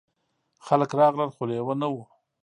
خلک راغلل خو لیوه نه و.